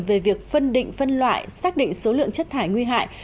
về việc phân định phân loại xác định số lượng chất thải nguy hại